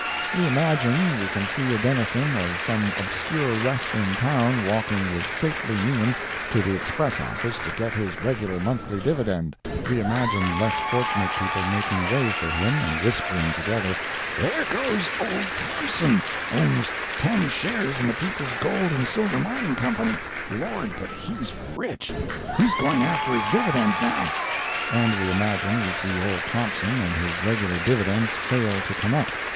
We imagine we can see a denizen of some obscure western town walking with stately mien to the express office to get his regular monthly dividend; we imagine less fortunate people making way for him, and whispering together, "There goes old Thompson—owns ten shares in the People's Gold and Silver Mining Company—Lord! but he's rich!—he's going after his dividends now." And we imagine we see old Thompson and his regular dividends fail to connect.